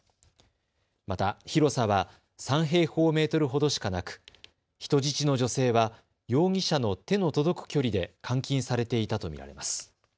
また広さは３平方メートルほどしかなく人質の女性は容疑者の手の届く距離で監禁されていたと見られます。